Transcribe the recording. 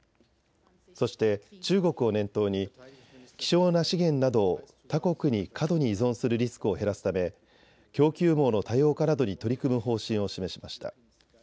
そして中国を念頭に希少な資源などを他国に過度に依存するリスクを減らすため供給網の多様化などに取り組む方針を示しました。